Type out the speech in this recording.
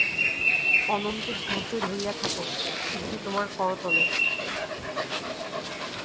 অনন্ত ধৈর্য ধরিয়া থাক, সিদ্ধি তোমার করতলে।